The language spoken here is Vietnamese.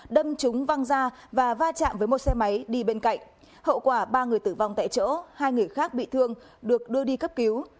đâm trúng văng ra và va chạm với một xe máy đi bên cạnh hậu quả ba người tử vong tại chỗ hai người khác bị thương được đưa đi cấp cứu